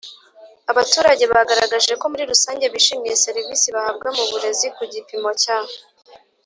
Abaturage bagaragaje ko muri rusange bishimiye serivisi bahabwa mu burezi ku gipimo cya